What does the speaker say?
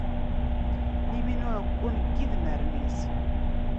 Limin uɛeggun deg idmaren is.